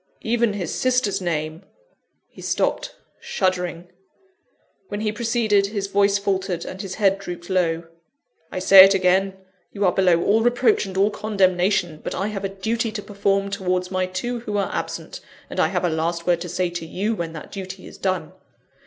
Even his sister's name " He stopped, shuddering. When he proceeded, his voice faltered, and his head drooped low. "I say it again: you are below all reproach and all condemnation; but I have a duty to perform towards my two who are absent, and I have a last word to say to you when that duty is done.